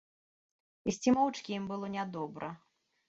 Ісці моўчкі ім было нядобра.